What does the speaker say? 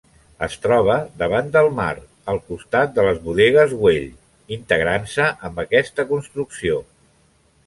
Es troba davant del mar, al costat de les Bodegues Güell, integrant-se amb aquesta construcció.